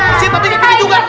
bersihin tapi gini juga